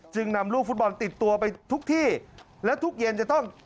นำลูกฟุตบอลติดตัวไปทุกที่และทุกเย็นจะต้อง